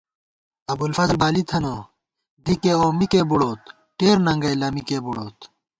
ابُوالفضل بالی تھنہ دِکےاؤ مِکےبُڑوت ٹېر ننگئ لَمِکےبُڑوت